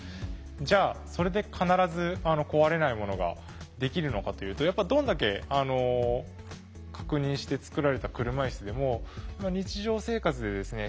じゃあそれで必ず壊れないものができるのかというとやっぱどんだけ確認して作られた車いすでも日常生活でですね